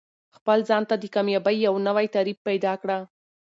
خپل ځان ته د کامیابۍ یو نوی تعریف پیدا کړه.